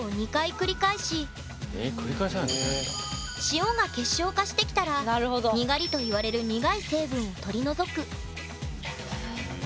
塩が結晶化してきたら「にがり」と言われる苦い成分を取り除く。